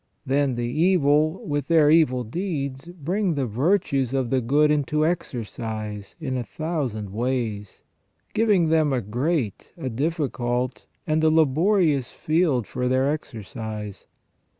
Then the evil with their evil deeds bring the virtues of the good into exercise in a thousand ways, giving them a great, a difificult, and a laborious field for their exercise.